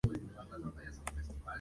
Calderón, Laura.